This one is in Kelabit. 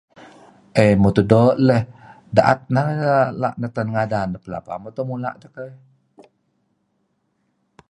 eh mutuh do leh daet narih lak neten ngadan belaba mento mula keh